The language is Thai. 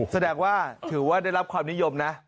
แสดงว่าถือว่าได้รับความนิยมนะ